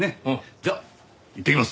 じゃあいってきます。